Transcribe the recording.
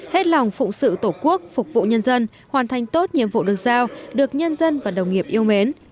hết lòng phụng sự tổ quốc phục vụ nhân dân hoàn thành tốt nhiệm vụ được giao được nhân dân và đồng nghiệp yêu mến